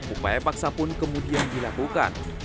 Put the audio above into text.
upaya paksa pun kemudian dilakukan